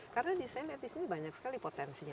karena saya lihat disini banyak sekali potensinya